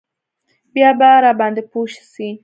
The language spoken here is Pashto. بيا به راباندې پوه سي.